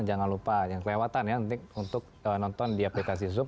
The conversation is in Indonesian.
jangan lupa jangan kelewatan ya nanti untuk nonton di aplikasi zoom